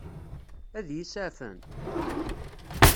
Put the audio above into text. Ad iyi-iseɛfent?